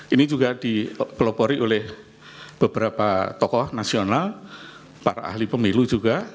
ini juga dipelopori oleh beberapa tokoh nasional para ahli pemilu juga